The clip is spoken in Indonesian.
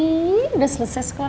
udah selesai sekolah